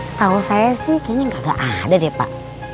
setahu saya sih kayaknya nggak ada deh pak